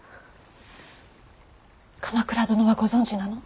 鎌倉殿はご存じなの。